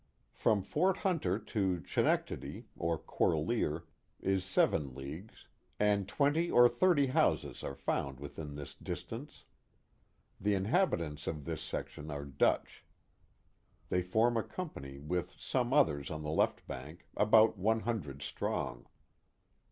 From Fort Hunter to Chenectadi, or Corlear, is seven leagues, and twenty or thirty houses are found within this distance. The inhabitants of this section are Dutch. They form a company with some others on the left bank, about one hundred strong.